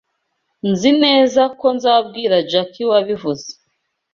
Nzi neza ko nzabwira Jack wabivuze.